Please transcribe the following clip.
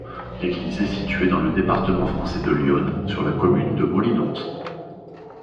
L'église est située dans le département français de l'Yonne, sur la commune de Molinons.